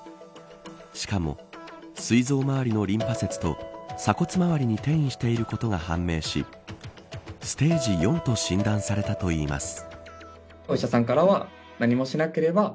しかも、膵臓周りのリンパ節と鎖骨まわりに転移していることが判明しステージ４と診断されたといいます。